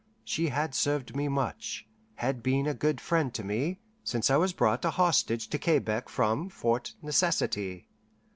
She had served me much, had been a good friend to me, since I was brought a hostage to Quebec from Fort Necessity.